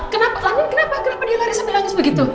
kenapa andin kenapa kenapa dia laris sampe langis begitu